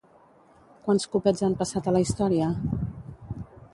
Quants copets han passat a la història?